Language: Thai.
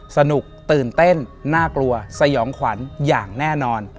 สนุกตื่นเต้นน่ากลัวสยองขวัญอย่างแน่นอน